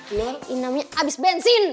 ini namanya abis bensin